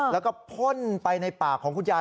แล้วก็พ่นไปในปากของคุณยาย